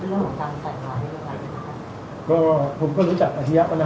หรือว่าเป็นเรื่องของการใส่ร้ายหรือเปล่าครับ